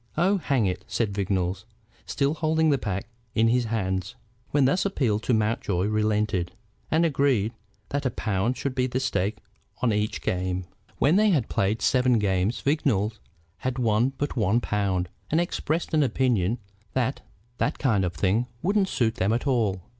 "Oh, hang it!" said Vignolles, still holding the pack in his hands. When thus appealed to Mountjoy relented, and agreed that a pound should be staked on each game. When they had played seven games Vignolles had won but one pound, and expressed an opinion that that kind of thing wouldn't suit them at all.